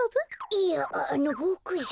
いやあのボクじゃ。